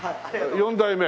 ４代目？